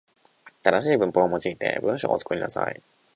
正しい文法を用いて文章を作りなさい。